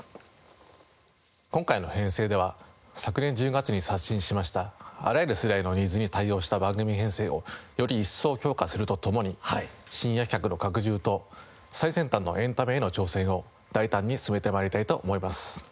今回の編成では昨年１０月に刷新しましたあらゆる世代のニーズに対応した番組編成をより一層強化するとともに深夜企画の拡充と最先端のエンタメへの挑戦を大胆に進めて参りたいと思います。